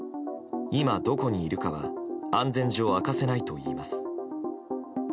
今、どこにいるかは安全上、明かせないといいます。